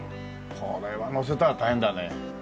これは載せたら大変だね。